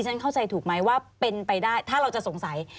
ดิฉันเข้าใจถูกไหมว่าถ้าเราจะสงสัย